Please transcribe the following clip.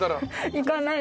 行かない？